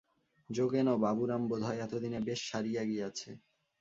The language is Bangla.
যোগেন ও বাবুরাম বোধ হয় এত দিনে বেশ সারিয়া গিয়াছে।